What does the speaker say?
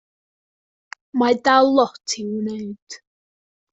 Mae dal lot i'w wneud.